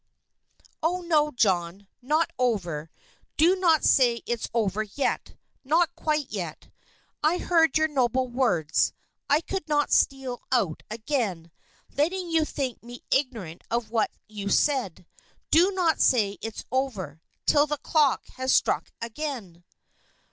"Oh, no, John, not over. Do not say it's over yet. Not quite yet. I heard your noble words. I could not steal out again, letting you think me ignorant of what you said. Do not say it's over 'till the clock has struck again!"